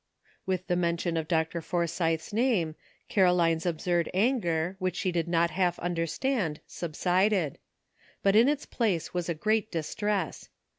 With the mention of Dr. Forsythe's name Caroline's absurd anger, which she did not half understand, subsided; but in its place was a great distress.